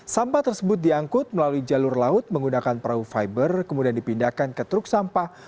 sampah tersebut diangkut melalui jalur laut menggunakan perahu fiber kemudian dipindahkan ke truk sampah